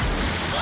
あ！